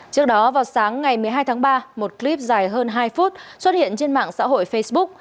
trước đó vào sáng ngày một mươi hai tháng ba một clip dài hơn hai phút xuất hiện trên mạng xã hội facebook